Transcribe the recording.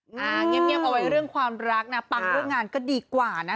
เงียบเอาไว้เรื่องความรักนะปังเรื่องงานก็ดีกว่านะ